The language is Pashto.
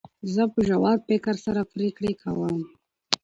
زه په ژور فکر سره پرېکړي کوم.